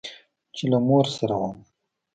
چې له مور سره وم.